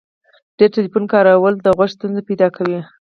ډیر ټلیفون کارول د غوږو ستونزي پیدا کوي.